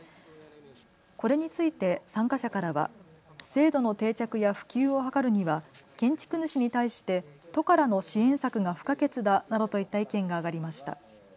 これについて参加者からは制度の定着や普及を図るには建築主に対して都からの支援策が不可欠だなどといった意見が上がりました。